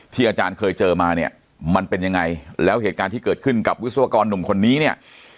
อาจารย์เคยเจอมาเนี่ยมันเป็นยังไงแล้วเหตุการณ์ที่เกิดขึ้นกับวิศวกรหนุ่มคนนี้เนี่ย